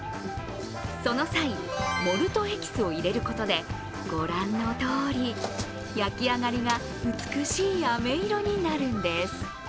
その際、モルトエキスを入れることでご覧のとおり、焼き上がりが美しいあめ色になるんです。